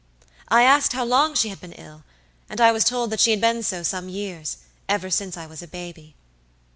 I asked how long she had been ill, and I was told that she had been so some years, ever since I was a baby.